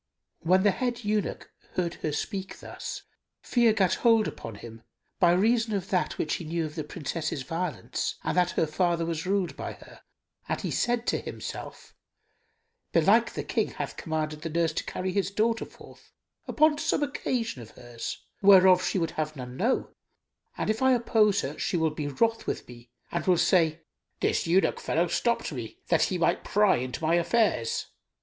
When the head eunuch heard her speak thus, fear gat hold upon him, by reason of that which he knew of the Princess's violence and that her father was ruled by her, and he said to himself, "Belike the King hath commanded the nurse to carry his daughter forth upon some occasion of hers, whereof she would have none know; and if I oppose her, she will be wroth with me and will say, 'This eunuch fellow stopped me, that he might pry into my affairs.